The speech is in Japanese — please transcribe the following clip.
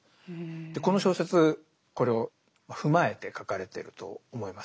この小説これを踏まえて書かれてると思います。